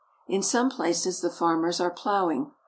In some places the farmers are plowing.